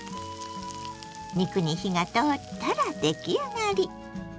肉に火が通ったら出来上がり。